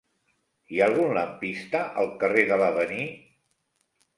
Hi ha algun lampista al carrer de l'Avenir?